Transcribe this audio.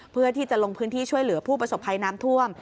เพื่อที่จะลงพื้นที่ช่วยเหลือผู้ประสบภัยน้ำท่วม